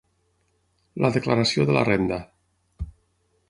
La declaració de la Renda.